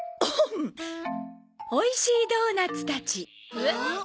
「おいしいドーナツたち」えっ？